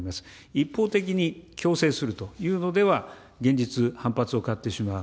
一方的に強制するというのでは、現実、反発を買ってしまう。